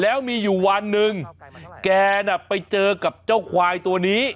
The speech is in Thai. แล้วมีอยู่วันหนึ่งแกน่ะไปเจอกับเจ้าควายตัวนี้